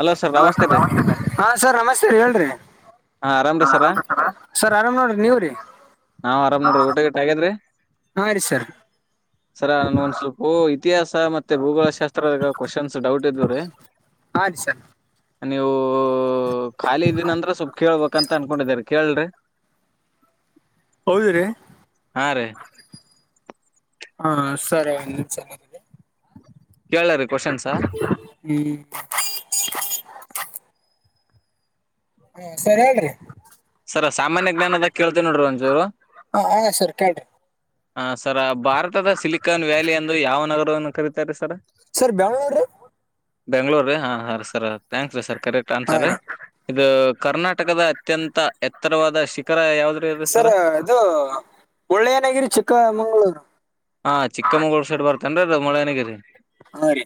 Hello sir ನಮಸ್ತೆ ರೀ ಹಾ ಸರ್ ನಮಸ್ತೆ ರೀ ಹೇಳ್ರಿ ಹಾ ಆರಾಮ್ರೀ ಸರ ಸರ್ ಆರಾಮ್ ನೋಡ್ರಿ ನೀವ್ರಿ ನಾವ್ ಆರ್ ನೋಡ್ರ ಊಟ ಗಟಗ್ಯ್ರೀ ಹಾ ರೀ ಸರ್ [inaudible] ಸರ ನನ್ ಒಂದ ಸ್ವಲ್ಪ ಇತಿಹಾಸ ಮತ್ತೆ ಭೂಗೋಳಶಾಸ್ತ್ರದ ಕ್ವಶನ್ಸ್ ಡೌಟ್ ಇದ್ವ್ರೀ ಹ ಸರ್ ನೀವು ಖಾಲಿ ಇದಂತ್ರ ಸವಲ್ ಕೇಳ್ಬ ಅಂತ ಅನ್ಕೊಂಡಿದಾರ ಕೇಳಲ್್ರಿ ಹೌದ್ರೀ ಹಾ ರೀ ಹಾ ಸರಿ ಕೇಳ ರ ಕ್ಶ್ನ್ಸಾ ಹ್ಮ್ ಹಾ ಸರಿ ಹೇಳ್ರಿ ಸರ ಸಾಮಾನ್ಯ ಜ್ಞಾನದ ಕೇಳ್ತೇವಿ ನೋಡ್ರ ಒಂಚೂರು ಹಾ ಆಯಾ ಸರ್ ಕೇಳ್ರಿ ಹಾ ಸರ ಭಾರತದ ಸಿಲಿಕಾನ್ ವ್ಯಾಲಿ ಅಂದ್ರೆ ಯಾವ ನಗರವನ್ನು ಕರೀತಾರೆ ಸರ ಸರ್ ಬೆಂಳೂರು ಬೆಂಗ್ಳೂರ್ ರೀ ಹಾ ಹಾ ರೀ ಸರ್ ಥ್ಯಾಂಕ್ಸ್ ರೀ ಸರ್ ಕರೆಕ್ಟ್ ಹಾ ಆನ್ಸರ್ ರ ರೀ ಇದು ಕರ್ನಾಟಕದ ಅತ್ಯಂತ ಎತ್ತರವಾದ ಶಿಖರ ಯಾವ ಸರ್ ಇದು ಒಳ್ಳೆ ನಾಗಿರಿ ಚಿಕ್ಕಮಂಗಗಳೂರು ಹಾ ಚಿಕ್ಕಮಂಗಗಳೂರು ಸೈಡ್ ಬರ್ತೇನ್ೀ ಅ ಮಳ್ಳಯನಗಿರಿ ಹಾ ರೀ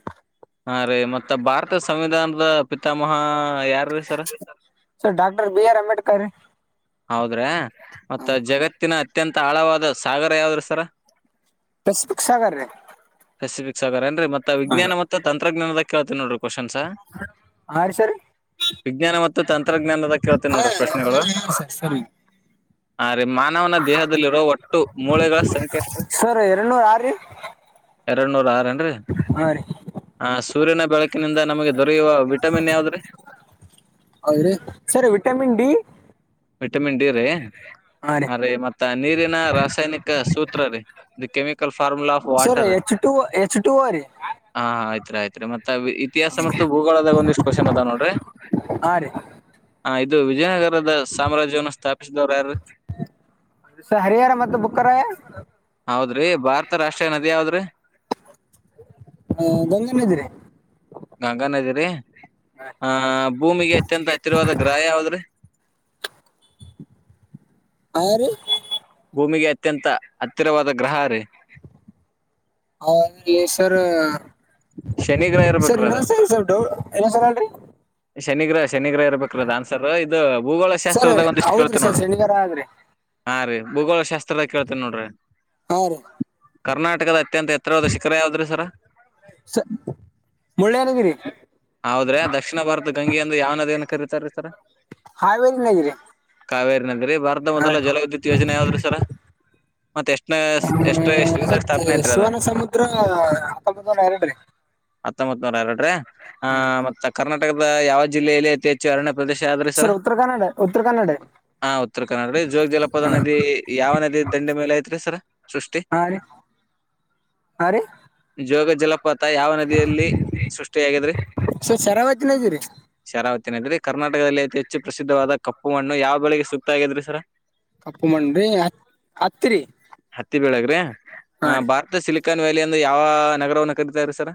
ಹಾ ರೀ ಮತ್ತ ಭಾರತ ಸಂವಿಧಾನದ ಪಿತಾಮಹ ಯಾರ ರೀ ಸರ sir doctor B R Ambedkar ಹೌದ್ರಾ ಹಾ ಮತ್ತ ರೀ ಜಗತ್ತಿನ ಅತ್ಯಂತ ಆಳವಾದ ಸಾಗರ ಯಾವದ್ರಿ ಸರ ಸ್ಪೆಸಿಫಿಕ್ ಸಾಗರ್ ಪೆಸಿಫಿಕ್ ಸಾಗರ ಏನ್ೀ ಮತ್ತೆ ಹಾ ರೀ ವಿಜ್ಞಾನ ಮತ್ತುೆ ತಂತ್ರಜ್ಞಾನದ ಕೇಳ್ತೀನಿ ನೋಡ್ರಿ ಕ್ವಶನ್ಸ ಹಾ ರೀ ಸರ್ ವಿಜ್ಞಾನ ಮತ್ತು ತಂತ್ರಜ್ಞಾನದ ಕೇಳ್ತೀನ್ ಹಾ ನೋಡ್ರಿ ಪ್ರಶ್ನೆಗಳು ಸರಿ ಹ ರೀ ಮಾನವನ ದೇಹದಲ್ಲಿರೋ ಒಟ್ಟು ಮೂಳೆಗಳ ಸಂಖ್ಯೆ ಎಷ್ಟ್ರೀ ಸರ್ ಎರಡುನೂರು ಯಾರ ರೀ ಎರಡು ನೂರ ಆರೇನ್ ರೀ ಹಾ ರೀ ಹ ಸೂರ್ಯನ ಬೆಳಕಿನಿಂದ ನಮಗೆ ದೊರೆಯುವ ವಿಟಮಿನ್ ಯಾವ್ದ್ರೆ ಹೌದ್ರೀ ಸರಿ ವಿಟಮಿನ್ ಡಿ ವಿಟಮಿನ್ ಡಿ ರೀ ಅ ರೀ ಮತ್ತ ನೀರಿನ ರಾಸಾಯನಿಕ ಸೂತ್ರರಿ the chemical formula of sir water H two H two O ರೀ. ಹಾ ಆಯ್ತ್ರಿ ಆಯ್ತ್ರಿ ಮತ್ತ ಇತಿಹಾಸ ಮತ್ತು ಭೂಗೋಳದಾಗ ಒಂದಿಷ್ಟು ಕ್ವಶನ್ ಅದಾವ ನೋಡ್ರಿ. ಹಾಂ ರೀ ಹ ಇದು ವಿಜಯನಗರದ ಸಾಮ್ರಾಜ್ಯವನ್ನು ಸ್ಥಾಪಿಸದವ್ರು ಯಾರೀ? ಸರ ಹರಿಹರ ಮತ್ತು ಬುಕ್ಕರಾಯ. ಹೌದ್ರಿ ಭಾರತ ರಾಷ್ಟ್ರೀಯ ನದಿ ಯಾವದ್ರಿ? ಹ ಗಂಗಾ ನದಿರಿ. ಗಂಗಾ ನದಿ ರೀ ಆ ಭೂಮಿಗೆ ಅತ್ಯಂತ ಹತ್ತಿರವಾದ ಗ್ರಹ ಯಾವದ್ರೀ? ಹಾರಿ? ಭೂಮಿಗೆ ಅತ್ಯಂತ ಹತ್ತಿರವಾದ ಗ್ರಹ ರಿ. ಹ ಇಲಿ ಸರ್ ಶನಿ ಗ್ರಹ ಸರ ಇರ್ಬೇಕ್ರಿ ಅದ ಇನ್ನೊನ್ ಸರ್ ಸೌಟ ಇನ್ನೊಂದ ಸಲ ಅನ್ರಿ. ಶನಿಗ್ರಹ ಶನಿಗ್ರಹ ಇರ್ಬೇಕ್ರ ಅದ್ ಆನ್ಸರ್ ಇದು ಭೂಗೋಳ ಸರ್ ಶಾಸ್ತ್ರದಾಗ್ ಒಂದಿಷ್ಟ ಹೌದು ರೀ ಕೇಳ್ತೀನಿ ನೋಡ್ - ಶನಿವಾರ ಸರ್ ಆದ್ರಿ. ಹಾ ರೀ ಭೂಗೋಳ ಶಾಸ್ತ್ರದಾಗ್ ಕೇಳ್ತೇನ್ ನೋಡ್ರಿ. ಹಾ ರಿ. ಕರ್ನಾಟಕದ ಅತ್ಯಂತ ಎತ್ತರವಾದ ಶಿಖರ ಯಾವ್ದ್ರಿ ಸರ? ಸ ಮುಳ್ಳಯ್ಯನಗಿರಿ. ಹೌದ್ರೆ ದಕ್ಷಿಣಭಾರತ ಗಂಗೆಯಂದ್ ಯಾವ್ ನದಿಯನ್ ಕರೀತಾರಿ ಸರ? ಹಾವೇರಿನಾಗಿರಿ ಕಾವೇರಿ ನದಿರಿ ಭಾರತ ಹಾಂ ಮೊದಲ ರೀ ಜಲವಿದ್ಯುತ್ ಯೋಜನೆ ಯಾವ್ದ್ರೀ ಸರ? ಮತ್ತ್ ಎಷ್ಟನೆ ಎಷ್ಟ್ತ್ರ್ ಇಸಿವಿದಾಗ್ ಸ್ಥಾಪನೇ ಅತ್ರಿ ಅದ? ಸರ ಹತ್ತೊಂಬತ್ತ ನೂರ ಎರಡ್ ರಿ. ಹತ್ತೊಂಬತ್ ನೂರ್ ಎರಡ ರಿ ಆ ಹಾಂ ರೀ ಮತ್ತ್ ಕರ್ನಾಟಕದ ಯಾವ ಜಿಲ್ಲೆಯಲ್ಲಿ ಅತಿ ಹೆಚ್ಚು ಉಚ್ಚರಣ್ಯ ಪ್ರದೇಶ ಯಾವ್ದ್ರಿ ಸರ? ಸರ್ ಉತ್ತರ ಕನ್ನಡ ಉತ್ತರ ಕನ್ನಡ ಹಾ ಉತ್ತರ ಕರ್ನಾಡ ಜೋಗ ಜಲಪಾದ ಹಾಂ ನದಿ ಯಾವ ನದಿ ದಂಡೆ ಮೇಲೆ ಐತ್ರಿ ಸರ? ಸೃಷ್ಟಿ ಹಾಂ ರೀ ಹಾಂ ರೀ ಜೋಗ ಜಲಪಾತ ಪಾತ ಯಾವ ನದಿಯಲ್ಲಿ ಸೃಷ್ಟಿಯಾಗಿದ್ರಿ? ಸರ್ ಶರಾವತಿನಾಗಿರಿ ಶರಾವತಿ ನದಿರಿ ಕರ್ನಾಟಕದಲ್ಲಿ ಅತಿ ಹೆಚ್ಚು ಪ್ರಸಿದ್ಧವಾದ ಕಪ್ಪು ಮಣ್ಣು ಯಾವ ಬೆಳೆಗೆ ಸೂಕ್ತ ಆಗೆದ್ರಿ ಸರ? ಕಪ್ಪು ಮಣ್ಣು ರಿ ಹ ಹತ್ತಿರಿ. ಹತ್ತಿ ಬೆಳಗ್ರಿ ಆ ಭಾರತ ಸಿಲಿಕಾನ್ ವ್ಯಾಲಿ ಅಂದ್ ಯಾವ ನಗರವನ್ನ ಕರೀತಾರ್ ಸರ್?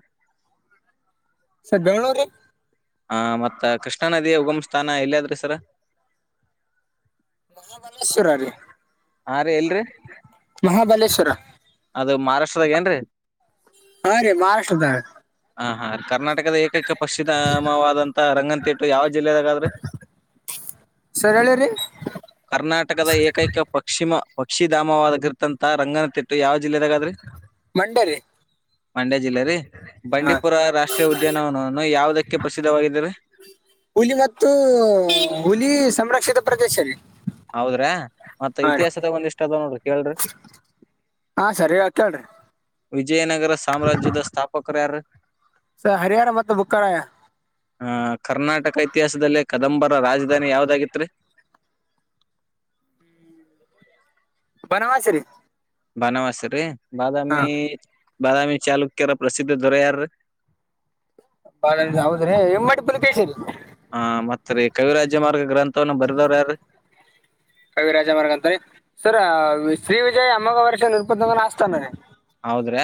ಸರ ಬೆಂಗಳೂರಿ. ಹ ಮತ್ತ್ ಕೃಷ್ಣಾ ನದಿಯ ಉಗಮ್ ಸ್ಥಾನ ಎಲ್ಲದ್ರಿ ಸರ? ಮಹಾಬಲೇಶ್ವರರಿ. ಹಾ ರೀ ಎಲ್ರಿ ಮಹಾಬಲೇಶ್ವರ ಅದು ಮಹಾರಾಷ್ಟ್ರದಾಗೆನ್ರಿ? ಹಾ ರೀ ಮಹಾರಾಷ್ಟ್ರದಾಗ್. ಹಾ ಹ ಕರ್ನಾಟಕದ ಏಕೈಕ ಪಕ್ಷಿದಾಮವಾದಂಥ ರಂಗನತ್ತಿಟ್ಟು ಯಾವ ಜಿಲ್ಲೆಯದ್ಗದ್ರಿ? [inaudible] ಸರ ಹೇಳ್ರಿ? ಕರ್ನಾಟಕದ ಏಕೈಕ ಪಕ್ಷಿಮ ಪಕ್ಷಿಧಾಮವಾದ್ಗಿರತಂತ ರಂಗನತೀಟ್ ಯಾವ್ ಜಿಲ್ಲೆದಾಗ್ ಅದ್ರಿ ಮಂಡ್ಯ ರೀ ಮಂಡ್ಯ ಜಿಲ್ಲೆ ರೀ. ಹಾ ಬಂಡೀಪುರ ರಾಷ್ಟ್ರೀಯ ಉದ್ಯಾನವನವನ್ನು ಯಾವುದಕ್ಕೆ ಪ್ರಸಿದ್ಧವಾಗಿದೇ ರಿ? ಹುಲಿ ಮತ್ತು ಹುಲಿ ಸಂರಕ್ಷಿತ ಪ್ರದೇಶ ರಿ. ಹೌದ್ರ್ಯ. ಮತ್ತ ಇತಿಹಾಸದಾಗ್ ಒಂದಿಷ್ಟ್ ಅದಾವ್ ನೋಡ್ರಿ ಕೇಳ್ರಿ? ಹಾ ಸರ್ ಹೇಳ ಕೇಳ್ರಿ ವಿಜಯನಗರ ಸಾಮ್ರಾಜ್ಯದ ಸ್ಥಾಪಕರ ಯಾರ್ ರಿ? ಸ ಹರಿಯಾನ ಬಂತು ಬುಕ್ಕರಾಯ. ಹ ಕರ್ನಾಟಕ ಇತಿಹಾಸದಲ್ಲಿ ಕದಂಬರ ರಾಜದಾನಿ ಯಾವ್ದ್ ಆಗಿತ್ತು. ಬನವಾಸಿರಿ. ಬನವಾಸಿ ರೀ ಬಾದಾಮಿ ಬಾದಾಮಿ ಚಾಲುಕ್ಯರ ಪ್ರಸಿದ್ಧ ದೊರೆ ಯಾರೀ. ಬಾದಮಿ ಹೌದ್ರಿ ಹಿಮ್ಮಡಿಪುಲಿಕೇಶಿ ರಿ. ಹಾ ಮತ್ತ್ ರಿ ಕವಿರಾಜ್ಯ ಮಾರ್ಗ ಗ್ರಂಥವನ್ನ ಬರ್ದವ್ರು ಯಾರ್ರೀ. ಕವಿರಾಜಮಾರ್ಗ ಅಂತನೇ ಸರ್ ಶ್ರೀ ವಿಜಯ ಅಮ್ಮಗವರ್ಷ ನೃಪತುಂಗನ ಆಸ್ತನ ರೀ ಹೌದ್ರ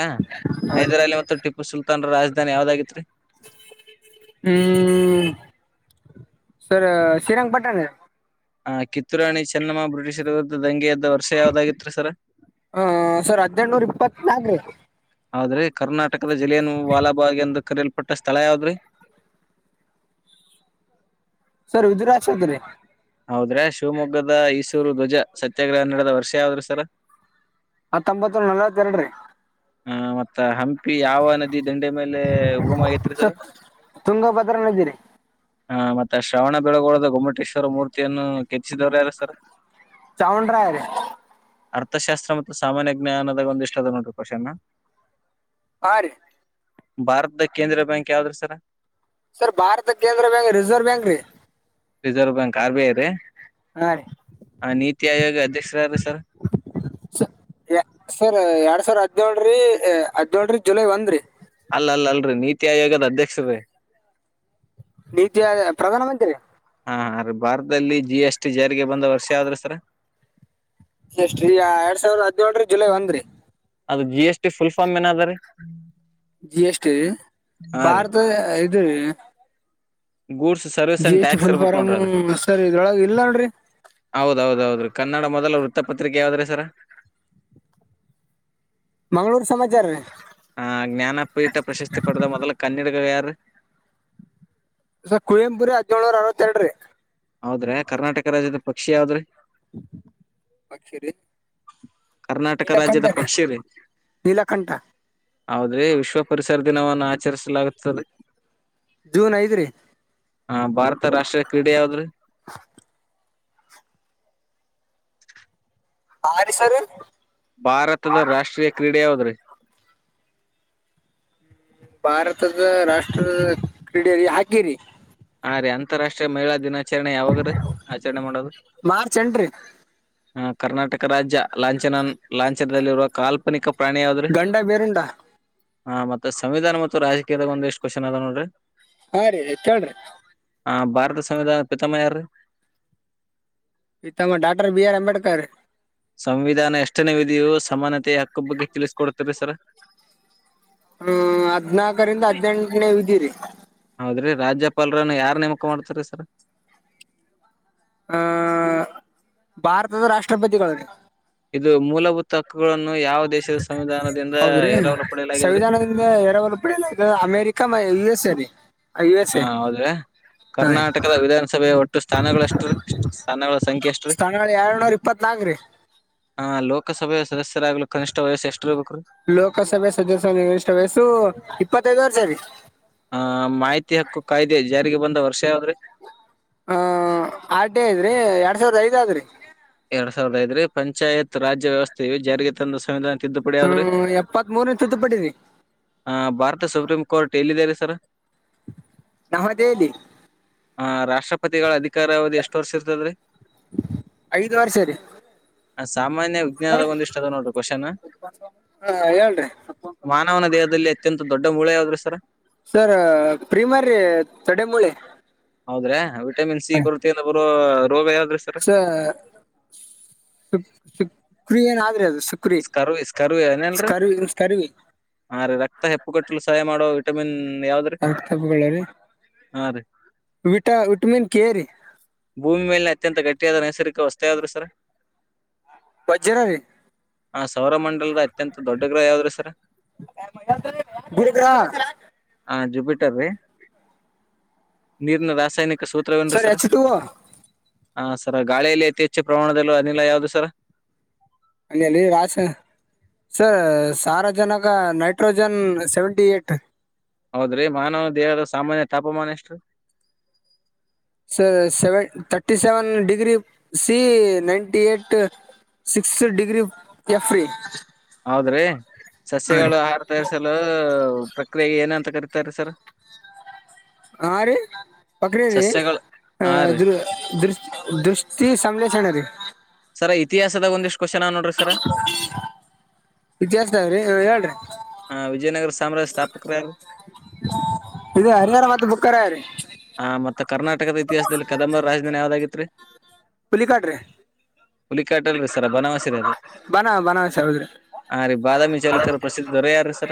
ಹಾ ರೀ ಹೈದರಾಲಿ ಮತ್ತು ಟಿಪ್ಪು ಸುಲ್ತಾನ್ರ ರಾಜಧಾನಿ ಯಾವದಾಗಿತ್ತು. ಹ್ಮ್ಮ್ ಸರ್ ಶೀರಂಗಪಟ್ಟಣ. ಹ ಕಿತ್ತೂರ್ರಾಣಿ ಚೆನ್ನಮ್ಮ ಬ್ರಿಟಿಷ್ರ್ ವಿರುದ್ಧ ದಂಗೆ ಎದ್ದ ವರ್ಷ ಯಾವ್ದಾಗಿತ್ರಿ ಸರ. ಹ ಸರ್ ಹದ್ನೇಲ್ನೂರ್ ಇಪ್ಪತ್ನಾಕ್ ರೀ. ಹೌದ್ರಿ ಕರ್ನಾಟಕದ ಜಿಲ್ಲೆಯನು ವಾಲಬಾಗ್ ಎಂದು ಕರೆಯಲ್ಪಟ್ಟ ಸ್ಥಳ ಯಾವ್ದ್ರಿ. ಸರ್ ಉಜುರಾಚೆದ್ರರಿ. [unintelligible] ಹೌದ್ರೆ ಶಿವಮೊಗ್ಗದ ಈಸೂರು ಧ್ವಜ ಸತ್ಯಾಗ್ರಹ ನಡೆದ ವರ್ಷ ಯಾವ್ದ್ರಿ ಸರ. ಹತ್ತೊಂಬತ್ತು ನಲ್ವತ್ತ ಎರಡ್ರಿ. ಹ ಮತ್ತ. ಯಾವ ನದಿ ದಂಡೆ ಮೇಲೆ ಹುಗುಮ ಆಗೈತ್ರಿ ಸರ್. ತುಂಗಭದ್ರಾ ನದಿ ರೀ ಹಾ ಮತ್ತೆ ಶ್ರವಣ ಬೆಳಗೋಳದ ಗೊಮ್ಮಟೇಶ್ವರ ಮೂರ್ತಿಯನ್ನು ಕೆಚ್ಚಿಸಿದವರು ಯಾರು ಸರ್. [inaudible] ಚಾವುಂಡರಾಯ. ಅರ್ಥಶಾಸ್ತ್ರ ಮತ್ತು ಸಾಮಾನ್ಯ ಜ್ಞಾನದಾಗ ಒಂದಿಷ್ಟದ ನೋಡ್ರಿ ಕ್ವೆಶ್ಚನ. ಹಾ ರೀ. ಭಾರತದ ಕೇಂದ್ರ ಬ್ಯಾಂಕ್ ಯಾವ್ದ್ರಿ ಸರ್. ಸರ್ ಭಾರತ ಕೇಂದ್ರ ಬ್ಯಾಂಕ್ ರಿಸರ್ವ್ ಬ್ಯಾಂಕ್ ರೀ. Reserve bank R B I ರೀ. ಹಾ ರೀ. ಹ ನೀತಿ ಆಯೋಗ ಅಧ್ಯಕ್ಷರ ಯಾರ್ರೀ ಸರ್. [unintelligible] ಸರ್ ಎರಡ್ ಸಾವಿರ ಹದನೊಳರೀ [unintelligible] ಹದ್ನೊಳ ರೀ ಜುಲೈ ಒಂದ್ರೀ. ಅಲ್ಲ್ ಅಲ್ಲ್ ಅಲ್ರಿ ನೀತಿ ಆಯೋಗದ್ ಅಧ್ಯಕ್ಷ್ ರೀ. ನೀತಿ [unintelligible] ಪ್ರಧಾನ ಮಂತ್ರಿ ರಿ. ಹಾ ಅದ್ ಭಾರತದಲ್ಲಿ ಜಿಎಸ್ಟಿ ಜಾರಿಗೆ ಬಂದ ವರ್ಷ ಯಾವ್ದ್ರ ಸರ. ಜಸ್ಟ್ ರಿಯಾ ಎರಡ ಸಾವಿರದ ಹದ್ನೋಳ್ರಿ ಜುಲೈ ಒಂದ್ರೀ. ಅದು ಜಿಎಸ್ಟಿ ಫುಲ್ ಫಾಮ್ ಏನಾದ್ ರೀ. ಜಿಎಸ್ಟಿ ರೀ ಭಾರತ ಇದ್ ರೀ. Goods. G S T full form sir ಇದೊಳಗೆ ಇಲ್ಲ ನೋಡ್ರಿ. ಹೌದೌದೌದ್ರಿ ಕನ್ನಡ ಮೊದಲ ವೃತ್ತಪತ್ರಿಕೆ ಯಾವ್ದ್ರ ಸರ್. ಮಂಗ್ಳೂರು ಸಮಾಚಾರ ರೀ. ಆ ಜ್ಞಾನಪೀಠ ಪ್ರಶಸ್ತಿ ಪಡೆದ ಮೊದಲ ಕನ್ನಡಿಗರು ಯಾರು. ಸರ್ ಕುವೆಂಪುರಿ ಹದಿನೇಳನರ ಅರವತ್ತ ಎರಡ್ರಿ. ಹೌದ್ರೆ ಕರ್ನಾಟಕ ರಾಜ್ಯದ ಪಕ್ಷಿ ಯಾವ್ದ್. [unintelligible] ನೀಲಕಂಠ ರೀ ಕರ್ನಾಟಕ ರಾಜ್ಯದ ಪಕ್ಷಿ ರೀ ನೀಲಕಂಠ. ಹೌದ್ರಿ ವಿಶ್ವ ಪರಿಸರ ದಿನವನ್ನು ಆಚರಿಸಲಾಗುತ್ತದೆ. ಜೂನ್ ಐದ್ರೀ ಹಾ ಭಾರತ ರಾಷ್ಟ್ರೀಯ ಕ್ರೀಡೆ ಯಾವ್ದ್ರೀ ಆ ರ ಸರ್ ಭಾರತದ ರಾಷ್ಟ್ರೀಯ ಕ್ರೀಡೆ ಯಾವದ್ರೀ ಭಾರತದ ರಾಷ್ಟ್ರ ಕ್ರೀಡೆಯಲ್ಲಿ ಹಾಕಿರಿ ಹ್ರೆ ಅಂತಾರಾಷ್ಟ್ರೀಯ ಮಹಿಳಾ ದಿನಾಚರಣೆ ಯಾವಾಗ್ರ ಆಚರಣೆ ಮಾಡೋದು ಮಾರ್ಚ್ ಎಂಟ್ರಿ ಹ ಕರ್ನಾಟಕ ರಾಜ್ಯ ಲಾಂಛನ ಲಾಂಛನದಲ್ಲಿರುವ ಕಾಲ್ ಿಕ ಪ್ರಾಣದು ಗಂಡ ಬೇರುಂಡಾ ಹಾ ಮತ್ತೆ ಸಂವಿಧಾನ ಮತ್ತು ರಾಜಕೀಯದ ಒಂದ ಎಷ್ಟ ಕ್ವೆಶನ್ ಅದ ನೋಡ್ರಿ ಹಾ ರೀ ಕೇಳ್ರಿ ಆ ಭಾರತ ಸಂವಿಧಾನದ ಪಿತಮ್ಮ್ಯ ರೀ ಇ ತಮ್ಮ ಡಾಟರ್ ಬಿ ಆರ್ ಅಂಬೇಡ್ಕರ್ ಸಂವಿಧಾನ ಎಷ್ಟನೇವಿದೆಯೋ ಸಮಾನತತೆೆಯ ಅಕ್ಕ ಬಗ್ಗೆ ತಿಳಿಸಕ ಕೊಡ್ತರಿ ಸರ ಹ್ಮ್ ಹದ್ನಾಾಕರಿಂದ ಹದ್ನೆೆಂಟನೇ ಇದ್ದೀರಿ ಹೌದ್ರಿ ರಾಜ್ಯಪಾಲರನ್ನು ಯಾರ್ ನೇಮಕ ಮಾಡ್ತಾರೀ ಸರ್ ಆ ಭಾರತದ ರಾಷ್ಟ್ರಪತಿಗಳು ಇದು ಮೂಲಭೂತ ಹಕ್ಕುಗಳನ್ನು ಯಾವ ದೇಶದ ಸಂವಿಧಾನದಿಂದ ಎರಲು ಪಡೆಯಲಿದ್ರೆ ಎರಡುವರು ಪಡಲ್ಲದು ಅಮೆರಿಕ ಯು ಎಸ್ ಎಲ್ಲಿ ಹಾ ಹೌದ್ರೆ ರೀ ಕರ್ನಾಟಕದ ವಿಧಾನಸಭೆಯ ಒಟ್ಟು ಸ್ಥಾನಗಳ ಎಷ್ಟು ರೀ ಎಷ್ಟು ಸ್ಥಾನಗಳ ಸಂಖ್ಯೆ ಎಷ್ಟ ರೀ ಎರಳ್ನೂರ ಇಪ್ಪತ್ ನಲ್ಕ ರೀ ಹ ಲೋಕಸಭೆಯ ಸದಸ್ಯರಾಗ್ಲಿ ಕನಿಷ್ಠ ವಯಸ್ಸ ಎಷ್ಟ ಇರ್ಬೇಕಕ್ೀ ಲೋಕಸಭೆ ಸದಸ್ಯರ ನಿರ್ದಿಷ್ಟ ವಯಸ್ಸು ಇಪ್ಪತ್ತೈದುವರೆ ಸಾರಿ ಆ ಮಾಹಿತಿ ಹಕ್ಕು ಕಾಯ್ದೆ ಜಾರಿಗೆ ಬಂದ ವರ್ಷ ಯಾವದ್ರಿ ಹ ಆರ್ ಡೇ ಇದ್ರಿ ಎರಡ್ ಸಾವಿರದ ಐದ್ ಆದ್ರಿ ಎರಡ್ ಸಾವಿರದ ಐದ್ರೀ ಪಂಚಾಯತ್ ರಾಜ್ಯ ವ್ಯವಸ್ಥೆ ಇ ಜಾರಿಗೆ ತಂದ ಸಂವಿಧಾನ ತಿದ್ದುಪಡಿ ಯಾವ್ದ್ರಿ? ಹ್ಮ್ ಎಪ್ಪತ್ತ್ ಮೂೂರನ ತುತ್ತಪಟ್ಟಿದವಿ ಹ ಭಾರತ ಸುಪ್ರೀಂ ಕೋರ್ಟ್ ಎಲ್ಲಿದ್ದಾರೆ ಸರ್ ನಾ ಮತ್ತ ಹೇಳಿ ಆ ರಾಷ್ಟ್ರಪತಿಗಳ ಅಧಿಕಾರ ಅವಧಿ ಎಷ್ಟ ವರ್ಷ ಇರ್ತದ್ರೀ ಐದುವಾರ ಸರಿ ಸಾಮನ್ಯಜ್ಞಾನದ ಒಂದಷ್ಟ ಅ ನೋಡರಿ ಕ್ವಶ್ನ್ ಹಾ ಹೇಳನ್ೀ ಮಾನವನ ದೇಹದಲ್ಲಿ ಅತ್ಯಂತ ದೊಡ್ಡ ಮೂಳೆ ಯಾವ್ದ್ರೆ ಸರ ಸರ್ ಪ್ರೀಮರ್ ರೀ ತಡೆ ಮೂಳೆ ಹೌದ್ರೆ ವಿಟಮಿನ್ ಸಿ ಕೊರತ ಅಂದ್ರ ಬರ ರೋಗ ಯಾವ್ರರು ಸ ಸುಕ್ರಿಯಏನಾದ್ರೆ ಅದು ಸ ಕು ಸ್ಕರ್ವಿ ಸ್ರ್ ಸ್ಕರ್ವಿ ಹಾ ರೀ ರಕ್ತ ಹೆಪ್ಪು ಕಟ್ಟಲು ಸಹಾಯ ಮಾಡೋ ವಿಟಮಿನ್ ಯಾವ್ದ್ರೆ ಅಗ್ಥಬ್ಳರಿ ಹಾ ರೀ ವಿಟ ವಿಟಮೀನ್ ಕೇರಿ ಭೂಮಿ ಮೇಲೆನೆ ಅತ್ಯ ಗಟ್ಟಿಯಾದ ನೈಸರ್ಗಿಕ ವಸ್ತ ಯಾವ್ದ್ರು ಸರ ಬಜ್ಜರವಿ ಹ ಸೌರಮಂಡಲದ ಅತ್ಯಂತ ದೊಡ್ಡ ಗ್ರಹ ಯಾವ್ದ್ರಿ ಸರ. ಗುರು ಗ್ರಹ ಹಾ ಜುಪಿಟರೀ ನೀರಿನ ರಾಸಾಯನಿಕ ಸೂತ್ರವೇನ್ರೀ ಸರ್ ಸರ ಎಚ್ ಟು ಓ ಹಾ ಸರ ಗಾಳಿಯಲ್ಲಿ ಅತಿ ಹೆಚ್ಚು ಪ್ರಮಾಣದಲ್ಲೂ ಅನಿಲ ಯಾವುದು ಸರ. ಅಲ್ಲಿಲ್ಲಿ ರಾಸ ಸರ್ ಸಾರಜನಕ ನೈಟ್ರೋಜನ್ ಸೆವೆಂಟಿ ಏಟ್. ಹೌದ್ರಿ ಮಾನವ ದೇಹದ ಸಾಮಾನ್ಯ ತಾಪಮಾನ ಎಷ್ಟ್ರೀ. Sir seven thirty seven degree C ninety eight six degree F ರಿ. ಹೌದ್ರಿ ಸಸ್ಯಗಳು ಆಹಾರ ತಯಾರಿಸಲು ಪ್ರಕ್ರಿಯೆಗೆ ಏನ ಅಂತ ಕರೀತಾರೀ ಸರ್. ಹ ರೀ ಬಕ್ರೀ ರೀ ಸಸ್ಯಗಳು ಆ ಹಾ ರೀ ಇದ್ರು ದೃಷ್ ದೃಷ್ಟಿ ಸಂಲೇಷಣೆ ರೀ. ಸರ ಇತಿಹಾಸದ ಒಂದಿಷ್ಟ ಕ್ವೆಶ್ಚನ್ ಅವ್ ನೋಡ್ರಿ ಸರ. ಇತಿಹಾಸಾವ್ರಿ ಆ ಹೇಳ್ರಿ ಹಾ ವಿಜಯನಗರ ಸಾಮ್ರಾಜ್ಯದ್ ಸ್ಥಾಪಕರ್ ಯಾರ್ರೀ. ಇದು ಹರಿಹರ ಮತ್ತು ಬುಕ್ಕರಾಯ್ರಿ ಹ ಮತ್ತ ಕರ್ನಾಟಕದ ಇತಿಹಾಸದಲ್ಲಿ ಕದಂಬರ್ ರಾಜಧಾನಿ ಯಾವ್ದಾಗಿತ್ರಿ ಪಿಲ್ಲಿಕಾಡ್ರಿ ಹುಲಿಕಾಟಲ್ರಿ ಸರ ಬನವಾಸಿರಿ ಅದು ಬನ ಬನಾರಸ್ ಹೌದ್ರಿ ಹ ರೀ ಬಾದಾಮಿ ಚೌಲುಕ್ಯರ ಪ್ರಸಿದ್ಧ ದೊರೆ ಯಾರೀ ಸರ.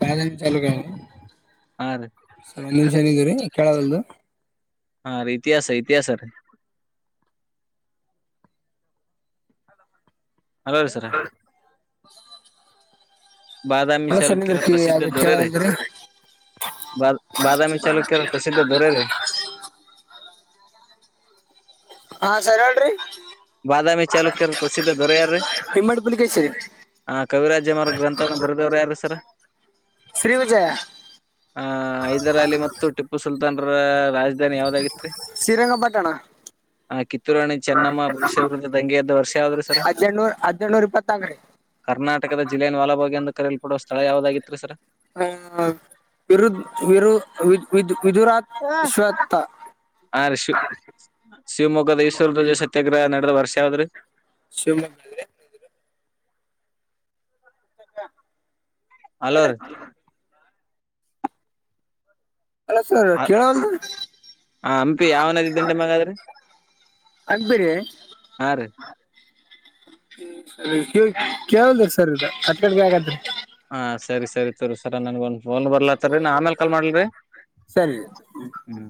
ಬಾದಾಮಿ ಚಾಲುಕ್ಯರ ಹಾ ರೀ ಸರ್ ಒಂದ್ ನಿಮಿಷ ಇರ್ರಿ ಕೇಳವಲ್ದು. ಹಾಂ ರೀ ಇತಿಹಾಸ ಇತಿಹಾಸ ರೀ ಅಲ್ಲ ರೀ ಹಲೋ ಸರ ಅ ಬಾದಾಮಿ ಅಲ್ಲ ಸರ್ ಚಾಲುಕ್ಯರ ನಿಂದ್ರಿ ಕಿ ಅದು ಪ್ರಸಿದ್ಧ ದೊರೆರಿ ಕೇಳವಲ್ದು ರೀ ಬ ಬಾದಾಮಿ ಚಾಲುಕ್ಯರ ಪ್ರಸಿದ್ಧ ದೊರೆರಿ ಹಾ ಸರಿ ಹೇಳ್ರೀ ಬಾದಾಮಿ ಚಾಲುಕ್ಯರ ಪ್ರಸಿದ್ಧ ಹಿಮ್ಮಡ್ ಪುಲಿಕೇಶಿರಿ ಹ ಕವಿರಾಜ್ಯಮಾರ್ಗ್ ಗ್ರಂಥವನ್ನು ಬರೆದವ್ರು ಯಾರ್ರೀ ಸರ. ಶ್ರೀ ವಿಜಯ ಆ ಹೈದರ್ ಅಲಿ ಮತ್ತು ಟಿಪ್ಪು ಸುಲ್ತಾನ್ರ ರಾ ದಾನಿ ಯಾವ್ದಾಗಿತ್ರಿ ಶ್ರೀರಂಗಪಟ್ಟಣ ಆ ಕಿತ್ತೂರಾಣಿ ಚೆನ್ನಮ್ಮ [unintelligible] ವಿರುದ್ಧ ದಂಗೆ ಎದ್ದ ವರ್ಷ ಯಾವದ್ರಿ ಸರ. ಹದಿನೆಂಟ್ನೂರ ಹದಿನೆಂಟ್ನೂರ ಇಪ್ಪತ್ನಾಲ್ಕು ಕರ್ನಾಟಕ ಜಿಲ್ಲೆಯನ್ ವಲಾಬಾಗ್ ಎಂದು ಕರೀಯಲ್ಪಡುವ ಸ್ಥಳ ಯಾವ್ದಾಗಿತ್ರಿ ಸರ. ಆ ವಿರುದ್ ವಿರು ವಿದ್ ವಿದ್ ವಿದುರಾತ್ ಶ್ವತ್ತ. ಹಾ ರೀ ಶ ಶಿವಮೊಗ್ಗದ ಈಶ್ವರ್ ಧ್ವಜ ಸತ್ಯಾಗ್ರಹ ನಡೆದ ವರ್ಷ ಯಾವ್ದ್ರೀ. ಶಿವಮೊಗ್ಗೆ [unintelligible] ಹಲೋ ರೀ ಹಲೋ ಸರ್ ರೀ ಕೇಳವಲ್ದ್ರಿ ಹ ಹಂಪಿ ಯಾವ ನದಿ ದಂಡೆ ಮ್ಯಾಗ ಅದ್ರಿ ಅಗ್ಬಿರಿ ಹಾ ರೀ ಕಿವಿ ಕೇಳವಲ್ದ್ರಿ ಸರ್ ಇದು ಕಟ್ ಕಟ್ ಕೇಳಕತ್ತ್ರಿ. ಹ ಸರಿ ಸರಿ ತರ್ ಸರ ನನ್ಗ ಒಂದ ಫೋನ್ ಬರ್ಲಾತ್ತರಿ ನಾ ಆಮೇಲ್ ಕಾಲ್ ಮಾಡಲ್ರಿ. ಸರಿ ಹ್ಮ್